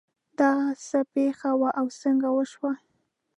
دا څه پېښه وه او څنګه وشوه